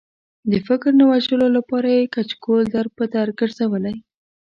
د فکر د نه وژلو لپاره یې کچکول در په در ګرځولی.